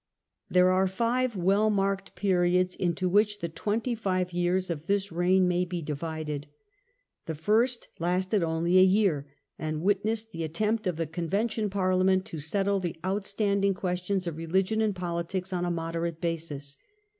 There are five well marked periods into which the twenty five years of this reign may be divided. The first lasted only about a year, and witnessed the Periods of the attempt of the Convention Parliament to Reign, settle the outstanding questions of religion and politics on a moderate basis.